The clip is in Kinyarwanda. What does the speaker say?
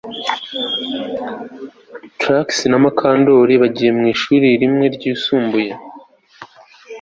Trix na Mukandoli bagiye mu ishuri rimwe ryisumbuye